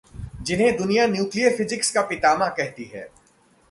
जिन्हें दुनिया nuclear physics का पितामह कहती है...